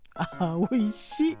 おいしい。